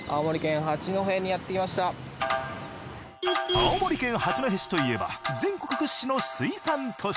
青森県八戸市といえば全国屈指の水産都市。